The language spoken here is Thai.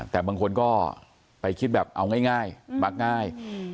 แต่บางคนก็ไปคิดแบบเอาง่ายมักง่าย